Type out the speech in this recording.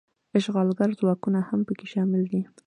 اشغالګر ځواکونه هم پکې شامل دي.